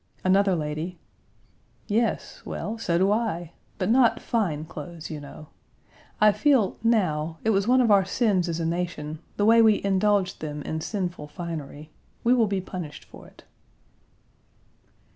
Another lady: "Yes. Well, so do I. But not fine clothes, you know. I feel now it was one of our sins as a nation, the way we indulged them in sinful finery. We will be punished for it."